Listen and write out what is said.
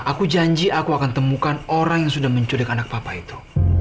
aku janji aku akan temukan orang yang sudah menculik anak papa itu